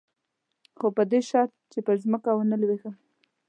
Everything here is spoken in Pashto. خو په دې شرط چې پر ځمکه ونه لېږم.